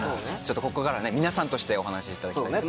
ここからは皆さんとしてお話しいただきたいと。